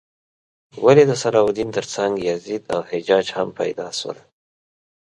ولې د صلاح الدین تر څنګ یزید او حجاج هم پیدا شول؟